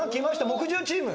木１０チーム！